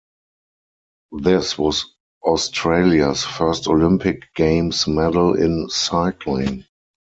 This was Australia's first Olympic Games medal in cycling.